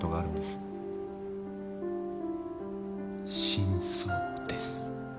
真相です。